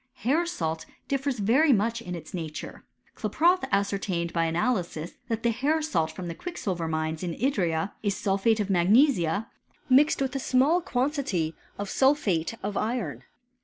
Hair salt difFeii very much in its nature. Klaproth ascertained hf analysis, that the hair salt from the quicksilver mindi in luria is sulphate of magnesia, mixed with a small quantity of sulphate of iron.